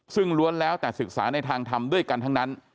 ซึ่งล้วนแล้วแต่ศึกษาในทางทำด้วยกันทั้งนั้น